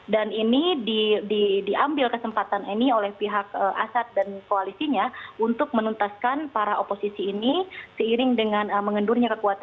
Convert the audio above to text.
dan ini diambil kesempatan ini oleh pihak assad dan koalisinya untuk menuntaskan para oposisi ini seiring dengan mengendur